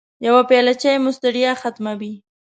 يوه پیاله چای مو ستړیا ختموي.